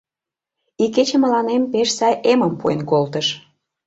— Икече мыланем пеш сай эмым пуэн колтыш.